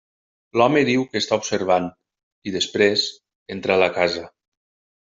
L'home diu que està observant, i després entra a la casa.